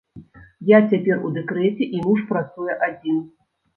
Я цяпер у дэкрэце, і муж працуе адзін.